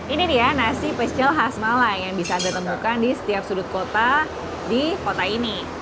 ini dia nasi pecel khas malang yang bisa anda temukan di setiap sudut kota di kota ini